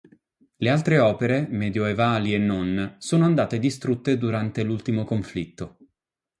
Le altre opere, medioevali e non, sono andate distrutte durante l'ultimo conflitto.